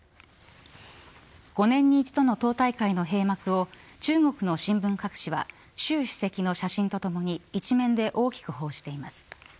５年に一度の党大会の閉幕を中国の新聞各紙は習主席の写真とともに一面で大きく報じています。